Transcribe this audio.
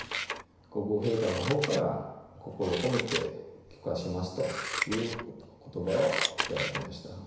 皇后陛下のほうから、心を込めて供花しますということばをいただきました。